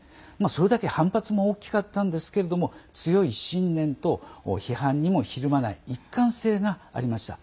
それだけ反発も大きかったんですけれども強い信念と批判にもひるまない一貫性がありました。